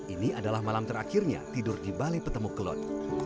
ini adalah malam terakhirnya tidur di balai petemuk kelot